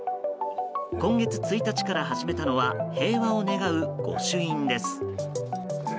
今月１日から始めたのは平和を願う御朱印です。